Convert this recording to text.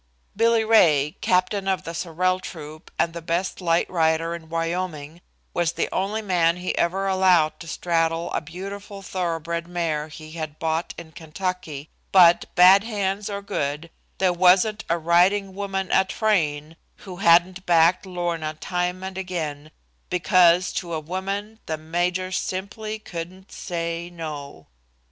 Billy Ray, captain of the sorrel troop and the best light rider in Wyoming, was the only man he ever allowed to straddle a beautiful thoroughbred mare he had bought in Kentucky, but, bad hands or good, there wasn't a riding woman at Frayne who hadn't backed Lorna time and again, because to a woman the major simply couldn't say no.